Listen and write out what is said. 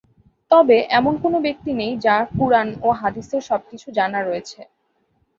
তবে এমন কোনো ব্যক্তি নেই যার কুরআন ও হাদীসের সবকিছু জানা রয়েছে।